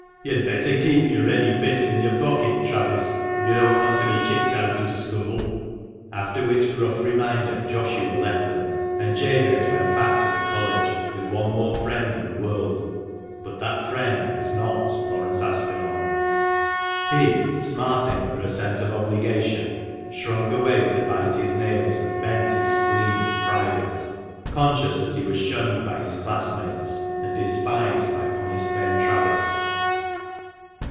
You'd better keep your ready fists in your pockets, Travis, if you don't want to be kicked out of school!" After which gruff reminder Joshua left them, and Jabez went back to the College with one more friend in the world ; but that friend was not Laurence Aspinall. He, smarting under a sense of obligation, shrunk away to bite his nails and vent his spleen in private, conscious that he "was shunned by his classmates, and despised by honest Ben Travis.